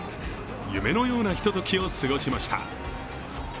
夢のようなひとときを過ごしました。